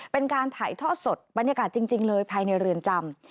เป็นการถ่ายทอดสดบรรยากาศจริงเลยภายในเรือนจำ